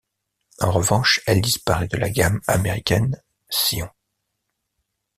En revanche, elle disparaît de la gamme américaine Scion.